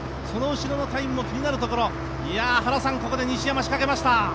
その後ろのタイムも気になるところここで西山仕掛けました。